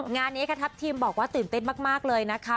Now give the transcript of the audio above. งานนี้ค่ะทัพทีมบอกว่าตื่นเต้นมากเลยนะคะ